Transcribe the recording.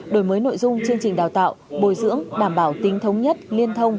đổi mới nội dung chương trình đào tạo bồi dưỡng đảm bảo tính thống nhất liên thông